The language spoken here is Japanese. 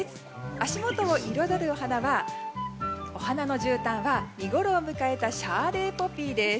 足元を彩るお花のじゅうたんは見ごろを迎えたシャーレーポピーです。